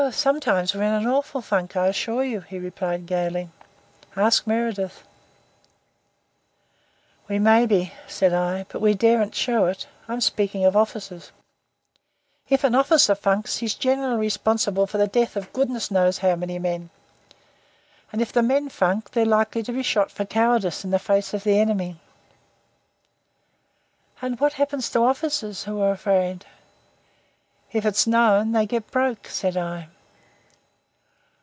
"Oh, sometimes we're in an awful funk, I assure you," he replied gaily. "Ask Meredyth." "We may be," said I, "but we daren't shew it I'm speaking of officers. If an officer funks he's generally responsible for the death of goodness knows how many men. And if the men funk they're liable to be shot for cowardice in the face of the enemy." "And what happens to officers who are afraid?" "If it's known, they get broke," said I.